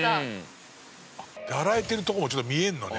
洗えてるとこもちょっと見えるのね。